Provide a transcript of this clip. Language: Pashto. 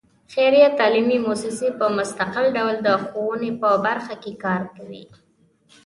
خیریه تعلیمي مؤسسې په مستقل ډول د ښوونې په برخه کې کار کوي.